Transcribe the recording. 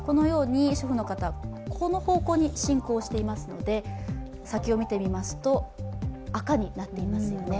主婦の方、この方向に進行していますので先を見てみますと赤になってますよね。